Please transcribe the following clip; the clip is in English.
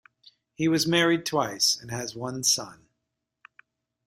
He was married twice and has one son.